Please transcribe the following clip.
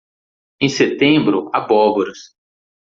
Em setembro, abóboras.